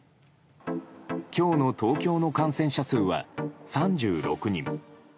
今日の東京の感染者数は３６人。